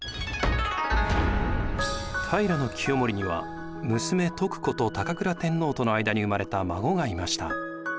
平清盛には娘・徳子と高倉天皇との間に生まれた孫がいました。